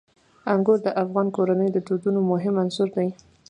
انګور د افغان کورنیو د دودونو مهم عنصر دی.